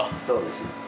そうです。